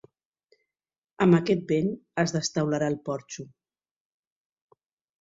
Amb aquest vent, es desteularà el porxo.